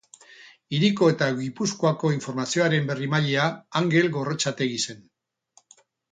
Hiriko eta Gipuzkoako informazioaren berriemailea Angel Gorrotxategi zen.